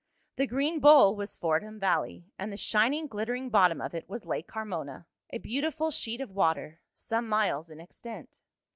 The green bowl was Fordham valley, and the shining, glittering bottom of it was Lake Carmona, a beautiful sheet of water, some miles in extent.